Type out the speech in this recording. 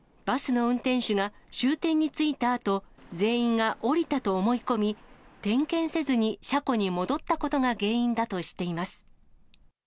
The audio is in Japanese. バスの運転手が、終点に着いたあと、全員が降りたと思い込み、点検せずに車庫に戻ったことが原因だとしています。